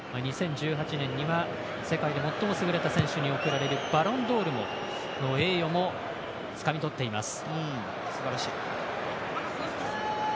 ２０１８年には世界で最も優れた選手に贈られるバロンドールの栄誉もつかみ取っています。